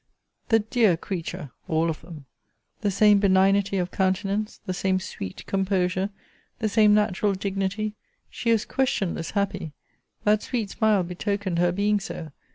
The dear creature, all of them! The same benignity of countenance! The same sweet composure! The same natural dignity! She was questionless happy! That sweet smile betokened her being so!